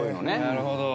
なるほど。